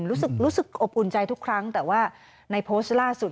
รู้สึกรู้สึกอบอุ่นใจทุกครั้งแต่ว่าในโพสต์ล่าสุด